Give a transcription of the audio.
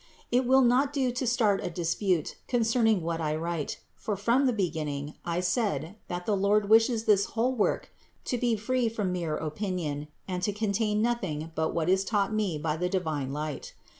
It will not do to start a dispute concerning what I write; for from the beginning I said, that the Lord wishes this whole work to be free from mere opinion and to contain nothing but what is taught me by the divine light.